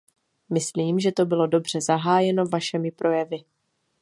Myslím, že to bylo dobře zahájeno vašemi projevy.